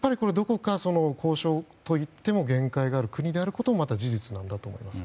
交渉といっても限界がある国であることもまた事実なんだと思います。